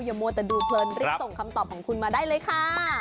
หมอแต่ดูเคลิปส่งคำตอบของคุณมาได้เลยค่ะ